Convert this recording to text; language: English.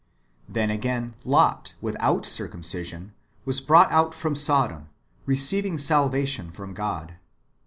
^ Then, again, Lot, without circumcision, was brought out from Sodom, receiving salvation from God.